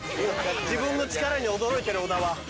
自分の力に驚いてる小田は。